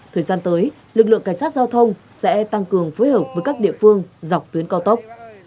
thời gian tới lực lượng cảnh sát giao thông sẽ tăng cường phối hợp với các địa phương dọc tuyến cao tốc